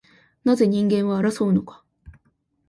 なぜ人間は争うのか